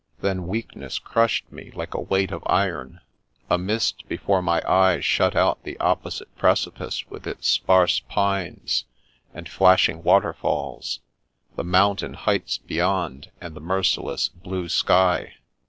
Then weakness crushed me, like a weight of iron. A mist before my eyes shut out the opposite precipice with its sparse pines, and flashing waterfalls, the mountain heights beyond, and the merciless blue sky.